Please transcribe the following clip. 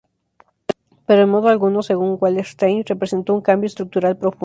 Pero, en modo alguno, según Wallerstein, representó un cambio estructural profundo.